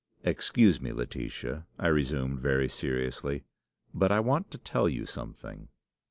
"'Excuse me, Laetitia,' I resumed, very seriously, 'but I want to tell you something.